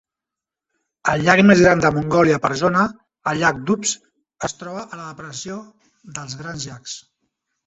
El llac més gran de Mongòlia per zona, el llac d'Uvz es troba a la depressió dels Grans Llacs.